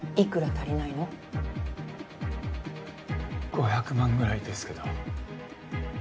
５００万ぐらいですけど。